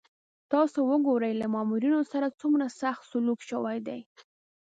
تاسو وګورئ له مامورینو سره څومره سخت سلوک شوی دی.